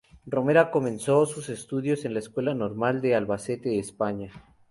Romera comenzó sus estudios en la Escuela Normal de Albacete, España.